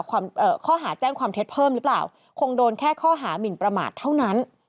ข้อหาแจ้งความเท็จเพิ่มหรือเปล่าคงโดนแค่ข้อหามินประมาทเท่านั้น